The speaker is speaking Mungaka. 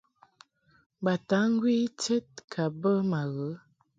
Bataŋgwi ited ka bə ma ghə.